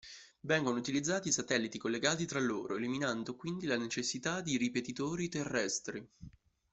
Vengono utilizzati satelliti collegati tra loro, eliminando quindi la necessità di ripetitori terrestri.